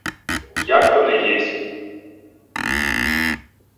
— Як то не єсмь?